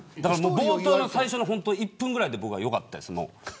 冒頭の最初の１分ぐらいで僕は、よかったです。